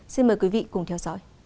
xin mời quý vị cùng theo dõi